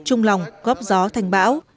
trung lòng góp gió thành bão